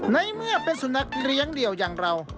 ในเมื่อเป็นสุนัขเลี้ยงเดี่ยวอย่างเรา